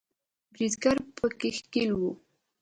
بریدګر په کې ښکیل وو